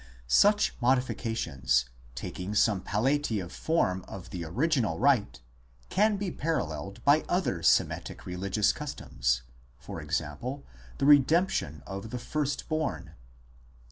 Such modifications, taking some palliative form of the original rite, can be paralleled by other Semitic religious customs, e.g. the redemption of the first born.